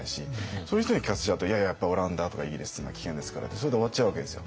そういう人に聞かせちゃうと「いややっぱオランダとかイギリスっていうのは危険ですから」ってそれで終わっちゃうわけですよ。